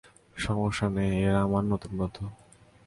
সমস্যা নেই, এরা আমার নতুন বন্ধু।